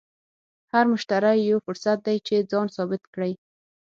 هر مشتری یو فرصت دی چې ځان ثابت کړې.